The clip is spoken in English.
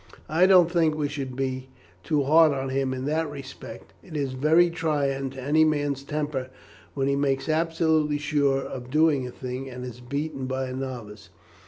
"I don't think we should be too hard on him in that respect. It is very trying to any man's temper when he makes absolutely sure of doing a thing and is beaten by a novice.